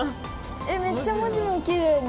めっちゃ文字もきれいに。